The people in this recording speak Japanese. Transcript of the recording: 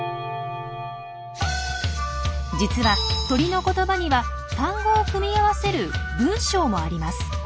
実は鳥の言葉には単語を組み合わせる文章もあります。